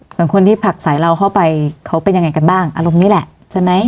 ส่วนคนที่ผลักสายเราเข้าไปเขาเป็นยังไงกันบ้างอารมณ์นี้แหละใช่ไหม